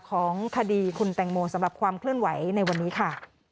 ของคดีคุณแตงโมสำหรับความเคลื่อนไหวในวันนี้ค่ะ